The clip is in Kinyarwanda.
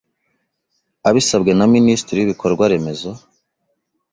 Abisabwe na Minisitiri w Ibikorwa Remezo